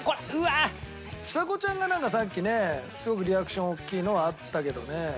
ちさ子ちゃんがなんかさっきねすごくリアクション大きいのはあったけどね。